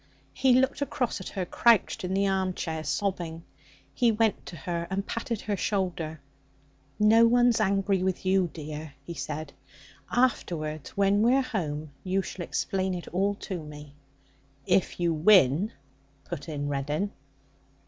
He looked across at her crouched in the armchair sobbing. He went to her and patted her shoulder. 'No one's angry with you, dear,' he said. 'Afterwards, when we're home, you shall explain it all to me.' 'If you win!' put in Reddin.